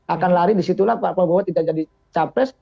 akan lari disitulah pak prabowo tidak jadi capres